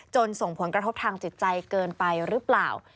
ส่งผลกระทบทางจิตใจเกินไปหรือเปล่า